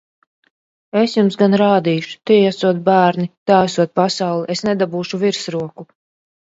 Es jums gan rādīšu! Tie esot bērni! Tā esot pasaule! Es nedabūšu virsroku!